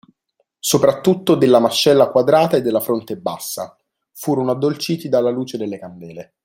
Soprattutto della mascella quadrata e della fronte bassa – furono addolciti dalla luce delle candele.